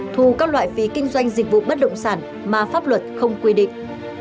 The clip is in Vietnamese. thu các loại phí kinh doanh dịch vụ bất động sản mà pháp luật không quy định